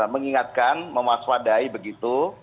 mengingatkan memaswadai begitu